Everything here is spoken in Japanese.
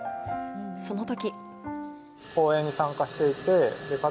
その時。